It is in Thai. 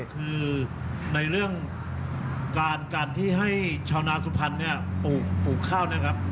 คือในเรื่องการที่ให้ชาวนาสุพรรณเนี่ยปลูกข้าวนะครับ